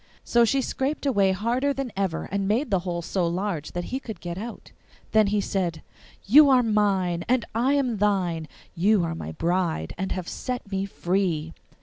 So she scraped away harder than ever, and made the hole so large that he could get out. Then he said, 'You are mine, and I am thine; you are my bride and have set me free!